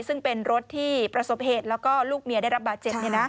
ซึ่งเป็นรถที่ประสบเหตุแล้วก็ลูกเมียได้รับบาดเจ็บ